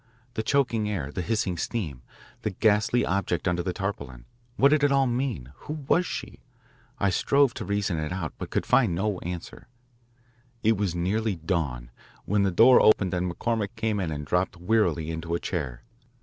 The choking air, the hissing steam, the ghastly object under the tarpaulin what did it all mean? Who was she? I strove to reason it out, but could find no answer. It was nearly dawn when the door opened and McCormick came in and dropped wearily into a chair.